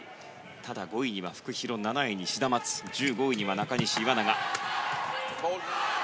ただ、５位にはフクヒロ７位にはシダマツ１５位には中西、岩永。